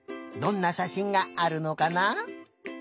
どんなしゃしんがあるのかな？